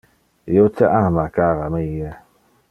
Io te ama, cara mie.